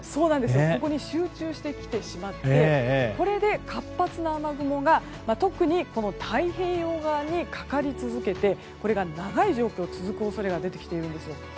ここに集中してきてしまって活発な雨雲が特に太平洋側にかかり続けてこれが長い状況、続く恐れが出てきてるんですよ。